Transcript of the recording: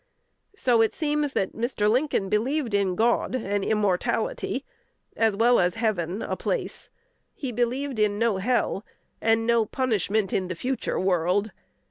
So it seems that Mr. Lincoln believed in God and immortality as well as heaven, a place. He believed in no hell and no punishment in the future world.